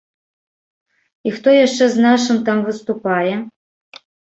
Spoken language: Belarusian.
І хто яшчэ з нашых там выступае?